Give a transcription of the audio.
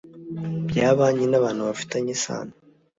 bya banki n abantu bafitanye isano